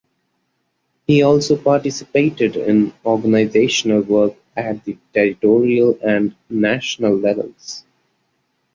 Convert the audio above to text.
He also participated in organizational work at the territorial and national levels.